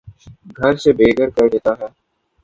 گھر سے بے گھر کر دیتا ہے